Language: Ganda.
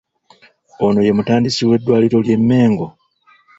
Ono ye mutandisi w’eddwaliro ly’e Mengo?